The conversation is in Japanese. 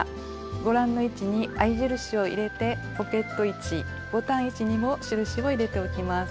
ご覧の位置に合い印を入れてポケット位置ボタン位置にも印を入れておきます。